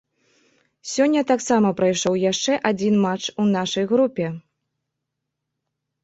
Сёння таксама прайшоў яшчэ адзін матч у нашай групе.